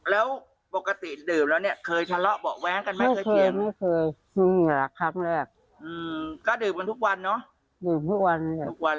แล้วปกติดื่มแล้วเนี่ยเคยทะเลาะบอกแว้งกันไหม